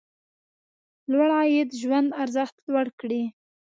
لوړ عاید ژوند ارزښت لوړ کړي.